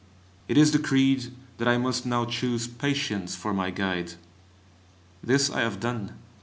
It is decreed that I must now choose Patience for my guide! This I have done.